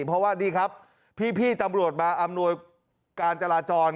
เพราะว่านี่ครับพี่ตำรวจมาอำนวยการจราจร